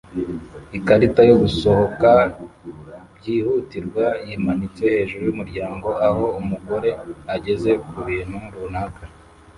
Ikarita yo gusohoka byihutirwa yimanitse hejuru yumuryango aho umugore ageze kubintu runaka